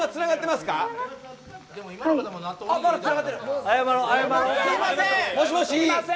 すみません。